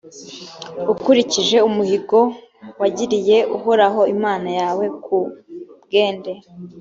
ukurikije umuhigo wagiriye uhoraho imana yawe ku bwende,